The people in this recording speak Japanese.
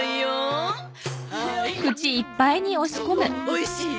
おいしい？